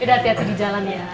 ya udah hati hati di jalan ya